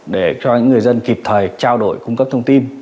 để cho những người dân kịp thời trao đổi cung cấp thông tin